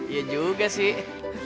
iya juga sih